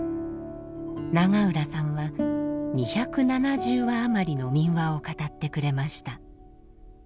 永浦さんは２７０話余りの民話を語ってくれました。